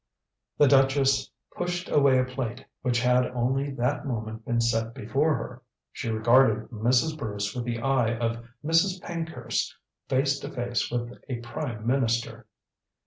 The duchess pushed away a plate which had only that moment been set before her. She regarded Mrs. Bruce with the eye of Mrs. Pankhurst face to face with a prime minister.